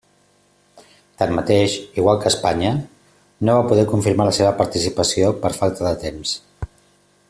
Tanmateix, igual que Espanya, no va poder confirmar la seva participació per falta de temps.